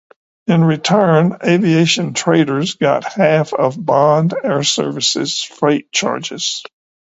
In return, Aviation Traders got half of Bond Air Services' freight charges.